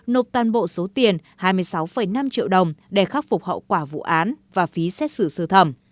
nộp toàn bộ số tiền hai mươi sáu năm triệu đồng để khắc phục hậu quả vụ án và phí xét xử sơ thẩm